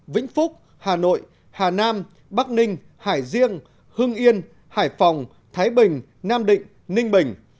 vĩnh phúc hà nội hà nam bắc ninh hải dương hưng yên hải phòng thái bình nam định ninh bình